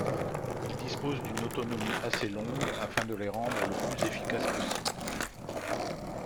Ils disposent d'une autonomie assez longue, afin de les rendre le plus efficace possible.